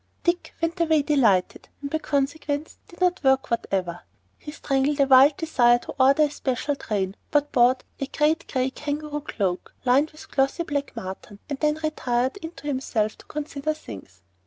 Dick went away delighted, and by consequence did no work whatever. He strangled a wild desire to order a special train, but bought a great gray kangaroo cloak lined with glossy black marten, and then retired into himself to consider things.